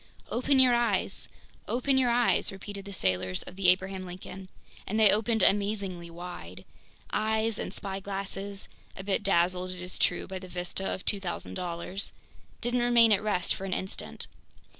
"Open your eyes! Open your eyes!" repeated the sailors of the Abraham Lincoln. And they opened amazingly wide. Eyes and spyglasses (a bit dazzled, it is true, by the vista of $2,000.00) didn't remain at rest for an instant.